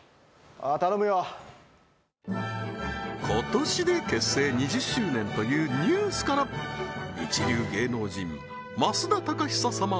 あー頼むよ今年で結成２０周年というＮＥＷＳから一流芸能人増田貴久様